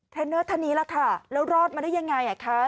เนอร์ท่านนี้ล่ะค่ะแล้วรอดมาได้ยังไงคะ